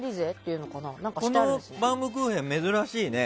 このバウムクーヘン珍しいね。